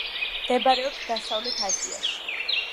მდებარეობს დასავლეთ აზიაში.